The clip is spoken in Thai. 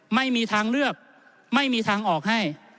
ไม่มีทางเลือกไม่มีทางออกให้